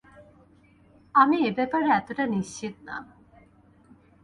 আমি এ ব্যাপারে এতটা নিশ্চিত না।